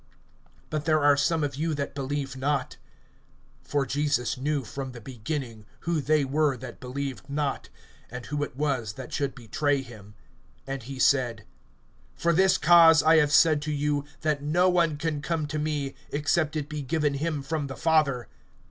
(64)But there are some of you that believe not. For Jesus knew from the beginning who they were that believed not, and who it was that should betray him. (65)And he said: For this cause I have said to you, that no one can come to me, except it be given him from the Father.